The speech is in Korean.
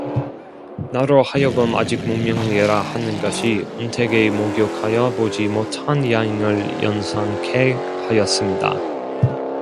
나로 하여금 아직 문명이라 하는 것이 은택에 목욕하여 보지 못한 야인을 연상케 하였습니다.